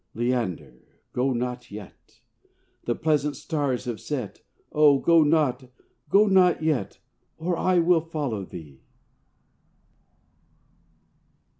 Leander! go not yet. The pleasant stars have set! Oh! go not, go not yet, Or I will follow thee.